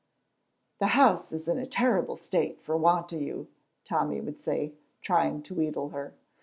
"The house is in a terrible state for want o' you," Tommy would say, trying to wheedle her.